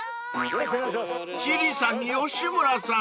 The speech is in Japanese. ［千里さんに吉村さん